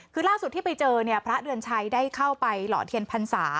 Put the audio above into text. คือล่าสุดที่ไปเจอเนี่ยพระเดือนชัยได้เข้าไปหล่อเทียนพรรษา